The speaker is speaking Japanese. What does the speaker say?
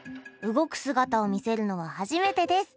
動く姿を見せるのは初めてです。